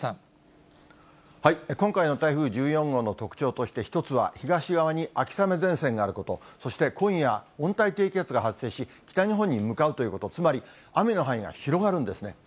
今回の台風１４号の特徴として、１つは東側に秋雨前線があること、そして今夜、温帯低気圧が発生し、北日本に向かうということ、つまり雨の範囲が広がるんですね。